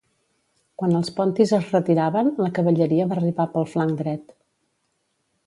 Quan els pontis es retiraven, la cavalleria va arribar pel flanc dret.